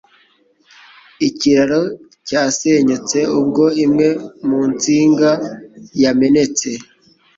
Ikiraro cyasenyutse ubwo imwe mu nsinga yamenetse.